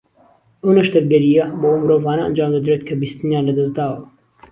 ئەو نەشتەرگەرییە بۆ ئەو مرۆڤانە ئەنجامدەدرێت کە بیستنیان لە دەست داوە